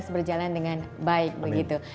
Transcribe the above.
berjalan dengan baik begitu